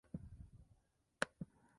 Se encuentra en Nueva Caledonia y Australia.